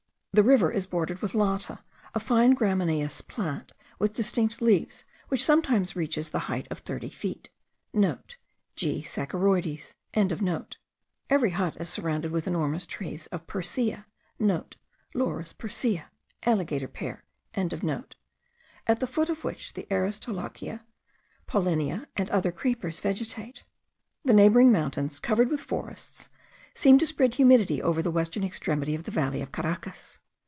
The river is bordered with Lata, a fine gramineous plant with distich leaves, which sometimes reaches the height of thirty feet.* (* G. saccharoides.) Every hut is surrounded with enormous trees of persea,* (* Laurus persea (alligator pear).) at the foot of which the aristolochiae, paullinia, and other creepers vegetate. The neighbouring mountains, covered with forests, seem to spread humidity over the western extremity of the valley of Caracas.